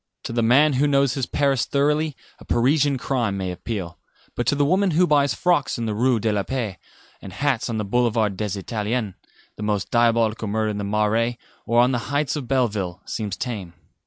To the man who knows his Paris thoroughly a Parisian crime may appeal; but to the woman who buys frocks in the Rue de la Paix, and hats on the Boulevard des Italiens, the most diabolical murder in the Marais, or on the heights of Belleville, seems tame.